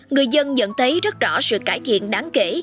người dân nhận thấy rất rõ sự cải thiện đáng kể